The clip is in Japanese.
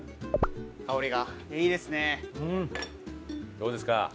どうですか？